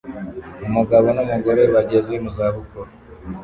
Umugabo n'umugore bageze mu zabukuru